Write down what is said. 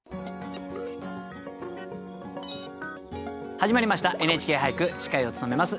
始まりました「ＮＨＫ俳句」司会を務めます